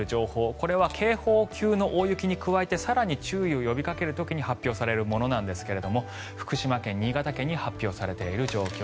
これは警報級の大雪に加えて更に注意を呼びかける時に発表されるものなんですが福島県、新潟県に発表されている状況。